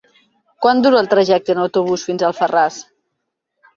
Quant dura el trajecte en autobús fins a Alfarràs?